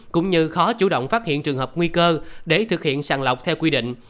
cũng như khó chủ động phát hiện trường hợp nguy cơ để thực hiện sàng lọc theo quy định